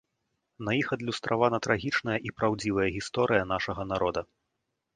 На іх адлюстравана трагічная і праўдзівая гісторыя нашага народа.